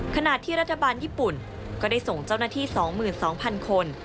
ขนาดที่รัฐบาลญี่ปุ่นก็ได้ส่งเจ้าหน้าที่สองหมื่นสองพันคน